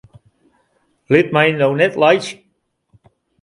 Lit my no net laitsje!